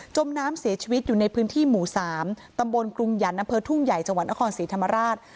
มน้ำเสียชีวิตอยู่ในพื้นที่หมู่๓ตำบลกรุงหยันต์อำเภอทุ่งใหญ่จังหวัดนครศรีธรรมราช